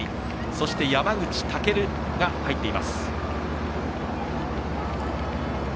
そして山口武が入っています。